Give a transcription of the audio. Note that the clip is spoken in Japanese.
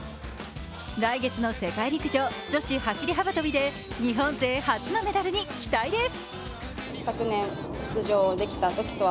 来月の世界陸上、女子走り幅跳びで日本勢初のメダルに期待です。